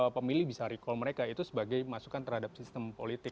pemilih bisa recall mereka itu sebagai masukan terhadap sistem politik